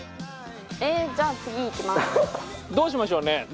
どうしましょうね？